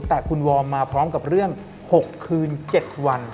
แต่คุณวอร์มมาพร้อมกับเรื่อง๖คืน๗วัน